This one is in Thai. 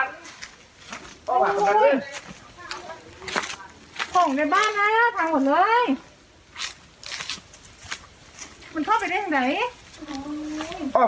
ต้นมอกต้นไม้